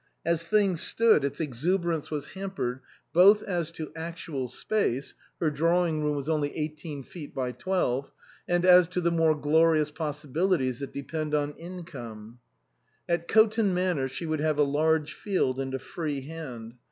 As things stood its exuberance was hampered both as to actual 62 INLAND space (her drawing room was only eighteen feet by twelve) and as to the more glorious possi bilities that depend on income. At Coton Manor she would have a large field and a free hand.